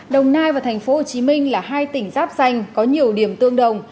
đồng nai và thành phố hồ chí minh là hai tỉnh giáp danh có nhiều điểm tương đồng